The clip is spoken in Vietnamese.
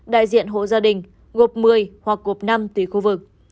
đại diện hộ gia đình gộp một mươi hoặc gộp năm tùy khu vực